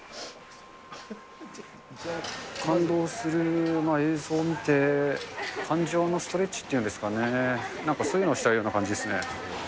感動する映像を見て、感情のストレッチっていうんですかね、なんかそういうのをしたような感じですね。